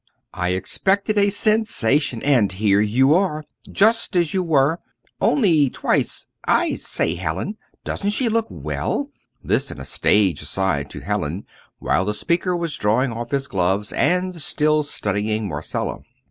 "I expected a sensation! And here you are, just as you were, only twice as I say, Hallin, doesn't she look well!" this in a stage aside to Hallin, while the speaker was drawing off his gloves, and still studying Marcella.